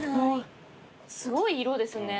すごい色ですね。